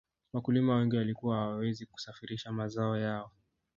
wakulima wengi walikuwa hawawezi kusafirisha mazao yao